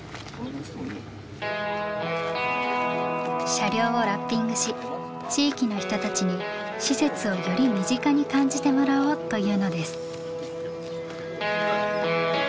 車両をラッピングし地域の人たちに施設をより身近に感じてもらおうというのです。